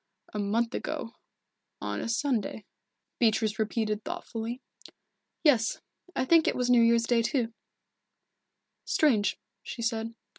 "A month ago on a Sunday," Beatrice repeated thoughtfully. "Yes I think it was New Year's Day, too." "Strange," she said.